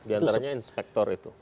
di antaranya inspektor itu